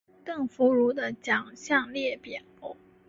邓福如的奖项列表